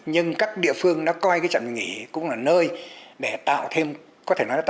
nhưng các địa phương coi trạm dừng nghỉ cũng là nơi để tạo thêm công